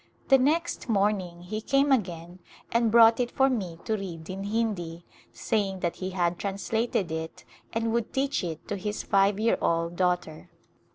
The next morning he came again and brought it for me to read in Hindi, saying that he had translated it and would teach it to his five year old daughter.